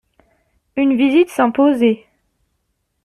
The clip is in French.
Une visite s’imposait.